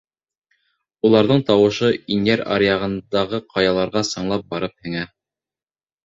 Уларҙың тауышы Инйәр аръяғындағы ҡаяларға сыңлап барып һеңә.